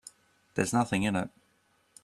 There's nothing in it.